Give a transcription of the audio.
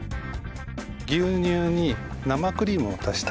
牛乳に生クリームを足してください。